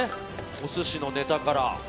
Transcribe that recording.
お寿司のネタから。